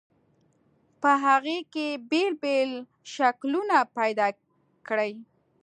په هغې کې بېل بېل شکلونه پیدا کړئ.